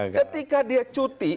ketika dia cuti